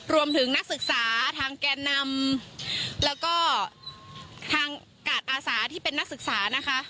รวมถึงนักศึกษาทางแก่นำแล้วก็ทางกาดอาสาที่เป็นนักศึกษานะคะ